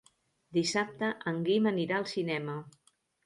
Dissabte en Guim anirà al cinema.